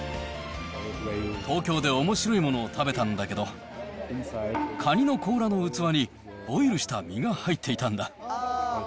東京でおもしろいものを食べたんだけど、カニの甲羅の器にボイルした身が入っていたんだ。